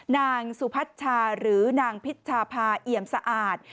นางสุพัชชาหรือนางพิชชาพาเอี่ยมสะอาด